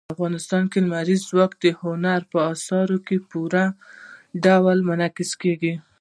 افغانستان کې لمریز ځواک د هنر په اثارو کې په پوره ډول منعکس کېږي.